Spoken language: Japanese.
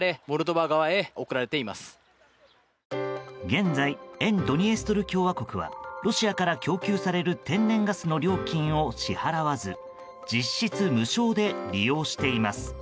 現在、沿ドニエストル共和国はロシアから供給される天然ガスの料金を支払わず実質無償で利用しています。